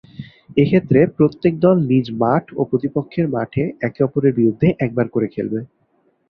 এক্ষেত্রে প্রত্যেক দল নিজ মাঠ ও প্রতিপক্ষের মাঠে একে-অপরের বিরুদ্ধে একবার করে খেলবে।